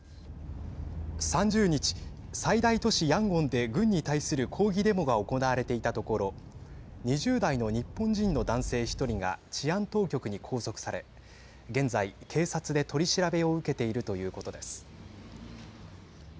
３０日、最大都市ヤンゴンで軍に対する抗議デモが行われていたところ２０代の日本人の男性１人が治安当局に拘束され現在、警察で取り調べを受けているということです。